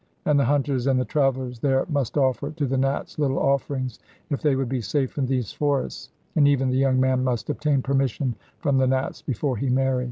And the hunters and the travellers there must offer to the Nats little offerings, if they would be safe in these forests, and even the young man must obtain permission from the Nats before he marry.